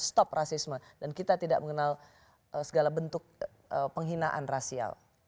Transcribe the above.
stop rasisme dan kita tidak mengenal segala bentuk penghinaan rasial